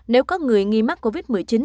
nếu có người nghi mắc covid một mươi chín